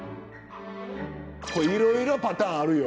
いろいろパターンあるよ。